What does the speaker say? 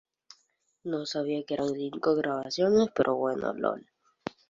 Decidieron radicarse en Argentina para continuar grabando.